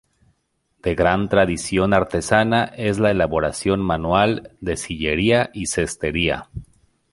De gran tradición artesana es la elaboración manual de sillería y cestería.